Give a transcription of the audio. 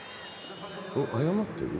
謝ってる？